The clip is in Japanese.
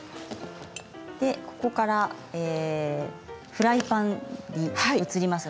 ここからフライパンに移ります。